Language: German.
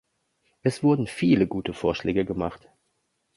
Es wurden viele gute Vorschläge gemacht.